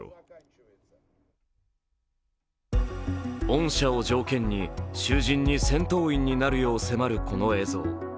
恩赦を条件に、囚人に戦闘員になるよう迫るこの映像。